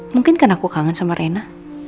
mungkin kan aku kangen sama reina